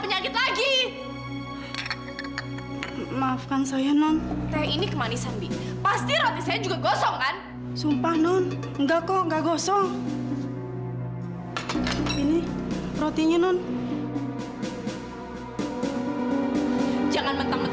enggak enggak enggak